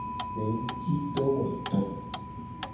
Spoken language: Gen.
Gbengutidowoto.